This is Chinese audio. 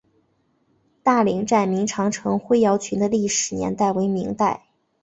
大岭寨明长城灰窑群的历史年代为明代。